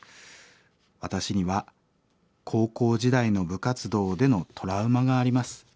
「私には高校時代の部活動でのトラウマがあります。